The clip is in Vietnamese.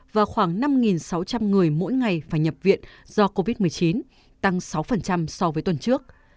và khoảng năm sáu trăm linh người mỗi ngày phải nhập viện do covid một mươi chín tăng sáu so với tuần trước